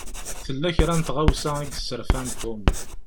Tella kra n tɣawsa i yesserfan Tom.